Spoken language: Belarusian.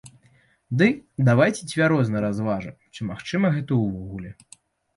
Ды давайце цвяроза разважым, ці магчыма гэта ўвогуле.